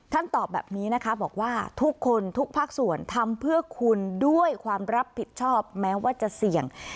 ตอบแบบนี้นะคะบอกว่าทุกคนทุกภาคส่วนทำเพื่อคุณด้วยความรับผิดชอบแม้ว่าจะเสี่ยง